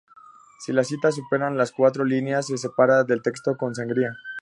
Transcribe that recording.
Si las citas superan las cuatro líneas, se separará del texto con sangría.